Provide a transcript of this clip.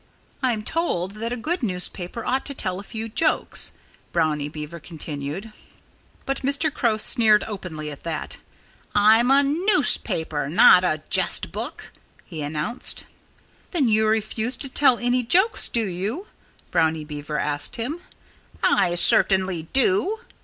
"I'm told that a good newspaper ought to tell a few jokes," Brownie Beaver continued. But Mr. Crow sneered openly at that. "I'm a newspaper not a jest book," he announced. "Then you refuse to tell any jokes, do you?" Brownie Beaver asked him. "I certainly do!"